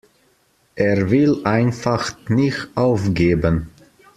Er will einfach nicht aufgeben.